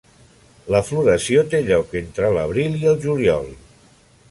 La floració té lloc entre l'abril i el juliol.